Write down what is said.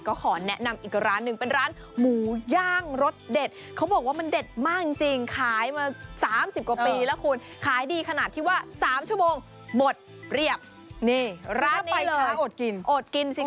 ก็ขอแนะนำอีกร้านหนึ่ง